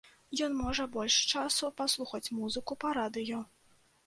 Ён можа больш часу паслухаць музыку па радыё.